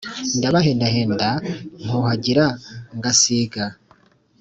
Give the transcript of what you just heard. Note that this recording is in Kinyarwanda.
Ndabahendahenda, nkuhagira ngasiga